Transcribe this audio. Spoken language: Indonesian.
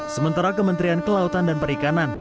sementara kementerian kelautan dan perikanan